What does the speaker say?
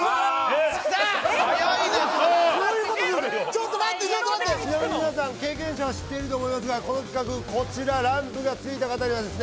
ちょっと待ってちょっと待ってちなみに皆さん経験者は知っていると思いますがこの企画こちらランプがついた方にはですね